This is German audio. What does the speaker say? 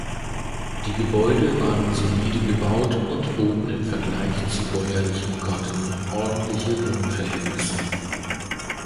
Die Gebäude waren solide gebaut und boten im Vergleich zu bäuerlichen Kotten ordentliche Wohnverhältnisse.